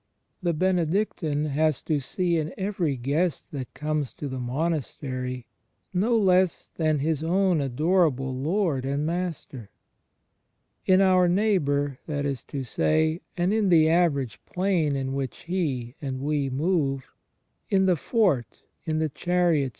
The Benedictine has to see in every guest that comes to the monastery no one less than his own adorable Lord and Master. In our neighbour, that is to say, and in the average plane in which he and we move —" in the fort, in the chariot seat, in the ship "^—» Cant.